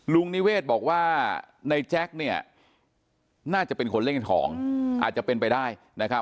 นิเวศบอกว่าในแจ็คเนี่ยน่าจะเป็นคนเล่นของอาจจะเป็นไปได้นะครับ